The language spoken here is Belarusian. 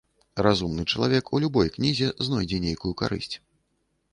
Разумны чалавек у любой кнізе знойдзе нейкую карысць.